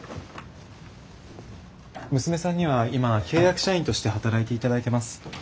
娘さんには今契約社員として働いて頂いてます。